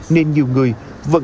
nên nhiều người vẫn thay đổi